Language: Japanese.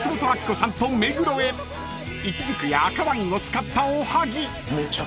［イチジクや赤ワインを使った］